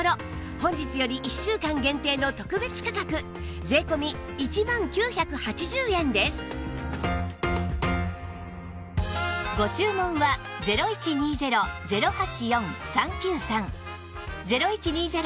本日より１週間限定の特別価格税込１万９８０円ですなんて書いたか